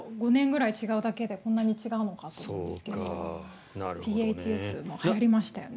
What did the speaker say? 斎藤さんと５年ぐらい違うだけでこんなに違うのかと思いましたがＰＨＳも、はやりましたよね。